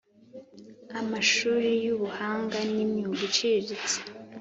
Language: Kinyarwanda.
amashuri y'ubuhanga n'imyuga iciriritse